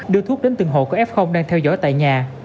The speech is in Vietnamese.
đưa thuốc đến từng hộ có f đang theo dõi tại nhà